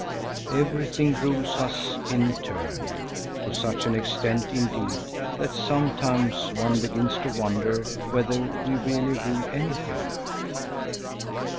Everything rules us in turn, to such an extent indeed, that sometimes one begins to wonder whether we really rule anything.